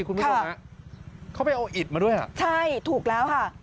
คุณผู้ชมฮะเขาไปเอาอิดมาด้วยอ่ะใช่ถูกแล้วค่ะ